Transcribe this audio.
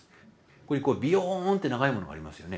ここにビヨーンって長いものがありますよね。